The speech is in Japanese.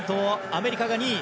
アメリカが２位。